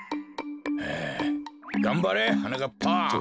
がんばれはなかっぱ。